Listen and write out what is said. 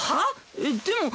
えっでも。